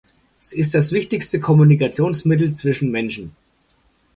Sie ist das wichtigste Kommunikationsmittel zwischen Menschen.